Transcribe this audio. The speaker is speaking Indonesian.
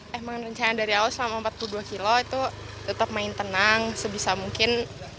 memang rencana dari awal selama empat puluh dua kilo itu tetap main tenang sebisa mungkin